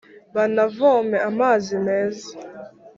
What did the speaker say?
banavome amazi meza.